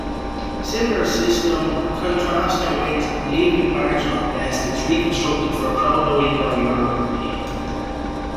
A similar system, contrasting with and leaving marginal at best, is reconstructed for Proto-Indo-European.